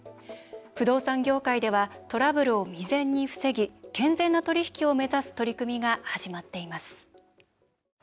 不動産業界ではトラブルを未然に防ぎ健全な取り引きを目指す取り組みが始まっています。